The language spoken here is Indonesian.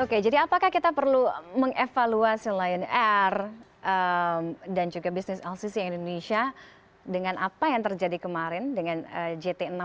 oke jadi apakah kita perlu mengevaluasi lion air dan juga bisnis lcc indonesia dengan apa yang terjadi kemarin dengan jt enam ratus sepuluh